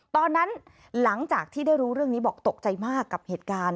หลังจากที่ได้รู้เรื่องนี้บอกตกใจมากกับเหตุการณ์